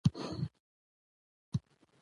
ازبکستان زموږ ګاونډی هيواد ده